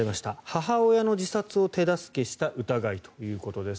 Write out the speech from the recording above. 母親の自殺を手助けした疑いということです。